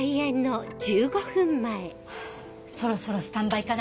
ハァそろそろスタンバイかな。